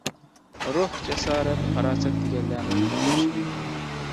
روھ، جاسارەت، پاراسەت دېگەنلەرنى يېتىلدۈرۈش مۇمكىن.